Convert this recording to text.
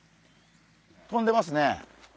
とんでますね！